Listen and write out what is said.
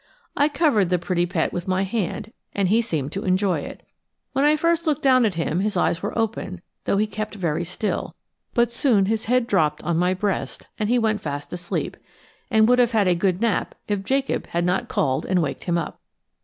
I covered the pretty pet with my hand and he seemed to enjoy it. When I first looked down at him his eyes were open, though he kept very still; but soon his head dropped on my breast and he went fast asleep, and would have had a good nap if Jacob had not called and waked him up.